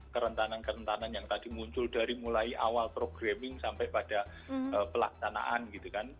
kerentanan kerentanan yang tadi muncul dari mulai awal programming sampai pada pelaksanaan gitu kan